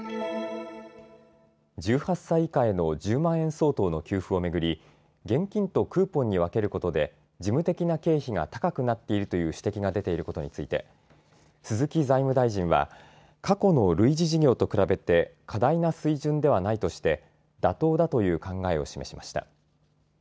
１８歳以下への１０万円相当の給付を巡り現金とクーポンに分けることで事務的な経費が高くなっているという指摘が出ていることについて鈴木財務大臣は過去の類似事業と比べて過大な水準ではないとして妥当だという考えを示しました。